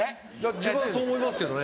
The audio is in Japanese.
自分はそう思いますけどね。